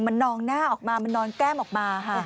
มันนองหน้าออกมามันนอนแก้มออกมาค่ะ